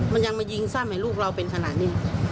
มันยังมายิงซ้ำให้ลูกเราเป็นขนาดนี้